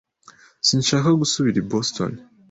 Sinshaka gusubira i Boston.